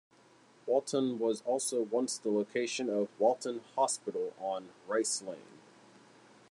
Walton was also once the location of Walton Hospital, on Rice Lane.